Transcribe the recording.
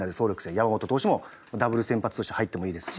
山本投手もダブル先発として入ってもいいですし。